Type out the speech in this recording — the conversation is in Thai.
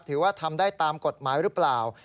ถือว่าทำได้ตามกฎหมายหรือเปล่า